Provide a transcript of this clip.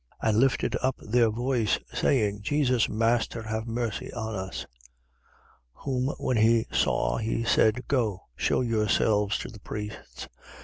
And lifted up their voice, saying: Jesus, Master, have mercy on us. 17:14. Whom when he saw, he said: Go, shew yourselves to the priests.